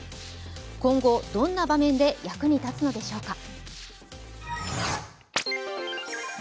今後、どんな場面で役に立つのでしょうか。